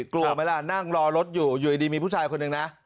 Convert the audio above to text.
กลัวไหมล่ะนั่งรอรถอยู่อยู่ดีมีผู้ชายคนหนึ่งนะ